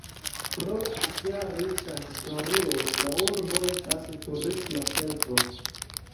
Pro sia riĉa historio, la Urbo estas turisma centro.